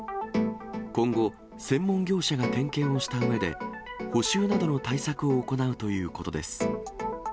今後、専門業者が点検をしたうえで、補修などの対策を行うということです。